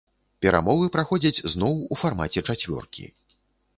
Перамовы праходзяць зноў у фармаце чацвёркі.